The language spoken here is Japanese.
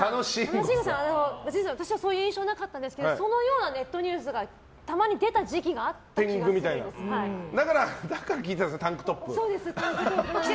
楽しんごさんは私はそういう印象なかったんですけどそのようなネットニュースがたまに出た時期があった気がだから聞いてたんですね。